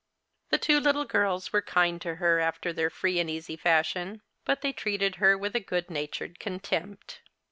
The two little girls were kind to her after their free and easy fashion ; but they treated her with a good natured contempt.